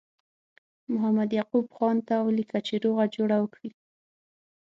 محمد یعقوب خان ته ولیکه چې روغه جوړه وکړي.